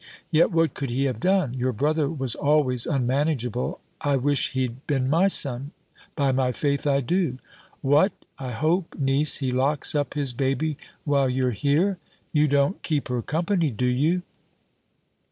Yet what could he have done? Your brother was always unmanageable. I wish he'd been my son; by my faith, I do! What! I hope, niece, he locks up his baby, while you're here? You don't keep her company, do you?"